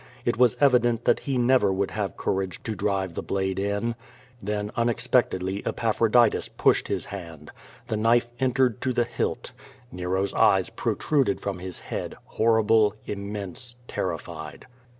It was evident that he never would have courage to drive the blade in. Then unexpectedly Epa phroditus pushed his hand. The knife entered to the hilt. Nero's eyes protruded from his head, horrible, immense, ter rified.